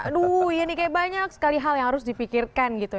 aduh ini kayak banyak sekali hal yang harus dipikirkan gitu ya